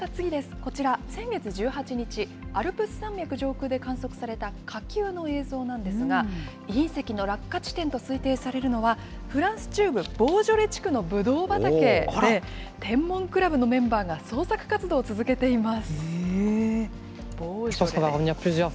こちら、先月１８日、アルプス山脈上空で観測された火球の映像なんですが、隕石の落下地点と推定されるのは、フランス中部ボージョレ地区のブドウ畑で、これ、天文クラブのメンバーが、捜索活動を続けています。